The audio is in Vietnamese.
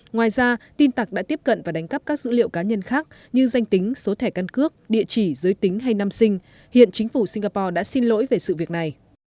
ngoài ra tin tặc đã tiếp cận và đánh cắp các dữ liệu cá nhân khác như danh tính số thẻ căn cước địa chỉ giới tính hay năm sinh hiện chính phủ singapore đã xin lỗi về sự việc này